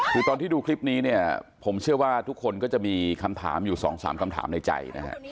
คือตอนที่ดูคลิปนี้ผมเชื่อว่าทุกคนก็จะมีคำถามอยู่๒๓คำถามในใจ